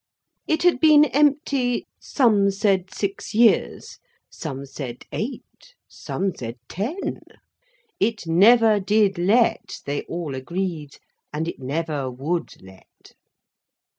It had been empty, some said six years, some said eight, some said ten. It never did let, they all agreed, and it never would let.